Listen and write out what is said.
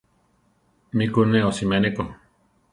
Mí ku ne osimé ne ko.